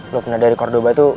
lo pernah dari cordoba itu